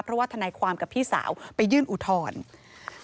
เพราะว่าทนายความกับพี่สาวไปยื่นอุทธรณ์